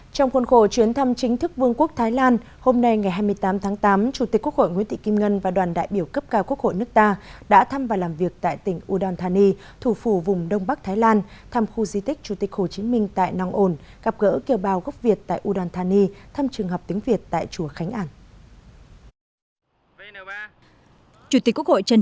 trong khuôn khổ chuyến thăm chính thức vương quốc thái lan hôm nay ngày hai mươi tám tháng tám chủ tịch quốc hội nguyễn tị kim ngân và đoàn đại biểu cấp cao quốc hội nước ta đã thăm và làm việc tại tỉnh udon thani thủ phủ vùng đông bắc thái lan thăm khu di tích chủ tịch hồ chí minh tại nong on gặp gỡ kiều bào gốc việt tại udon thani thăm trường học tiếng việt tại chùa khánh ảng